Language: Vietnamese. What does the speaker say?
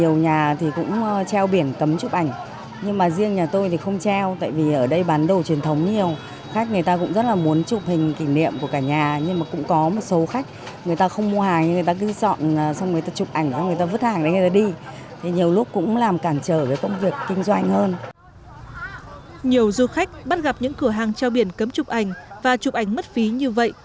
cửa hàng treo biển cấm chụp ảnh thì em nghĩ là không nên bởi vì mọi người bày ra là để mọi người đến cùng chung vui nên là em nghĩ là nên cho mọi người chụp ảnh để giống như là lưu lại khách thương thù của mọi người đã đến đây